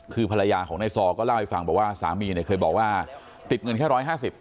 คือภรรยาของนายซอก็เล่าให้ฟังบอกว่าสามีเนี่ยเคยบอกว่าติดเงินแค่๑๕๐